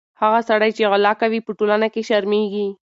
هغه سړی چې غلا کوي، په ټولنه کې شرمېږي.